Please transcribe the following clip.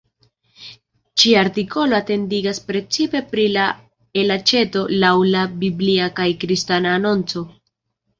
Ĉi artikolo atentigas precipe pri la elaĉeto laŭ la biblia kaj kristana anonco.